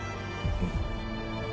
うん。